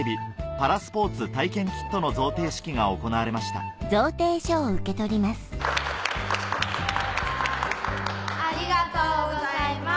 パラスポーツ体験キットの贈呈式が行われましたありがとうございます